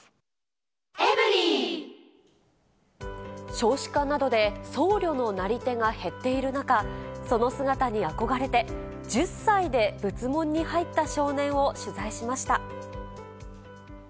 少子化などで僧侶のなり手が減っている中、その姿に憧れて、１０歳で仏門に入った少年を取材しました。